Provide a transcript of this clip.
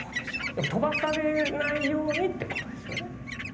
でも、飛ばされないようにってことですよね。